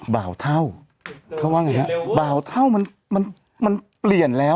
เบาเท่าเขาว่าอย่างไรครับเบาเท่ามันเปลี่ยนแล้ว